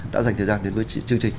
đã dành thời gian đến với chương trình